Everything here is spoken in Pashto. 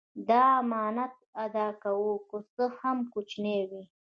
د امانت ادا کوه که څه هم کوچنی وي.